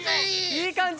いいかんじ？